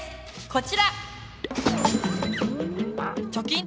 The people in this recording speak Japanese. こちら！